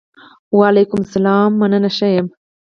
وعلیکم سلام! مننه ښۀ یم.